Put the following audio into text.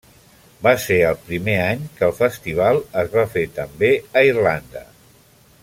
Va ser el primer any que el festival es va fer també a Irlanda.